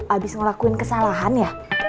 abis ngelakuin kesalahan ya